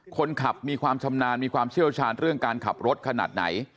คนขับมีความชำนาญมีความเชี่ยวชาญเรื่องการขับรถขนาดไหน